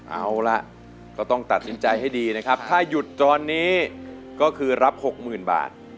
เอาล่ะก็ต้องตัดสินใจให้ดีนะครับถ้าหยุดตอนนี้ก็คือรับ๖๐๐๐บาท